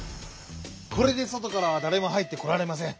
これでそとからはだれも入ってこられません。